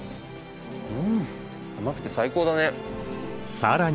うん甘くて最高だね。